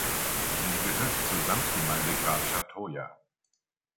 Sie gehört zur Samtgemeinde Grafschaft Hoya.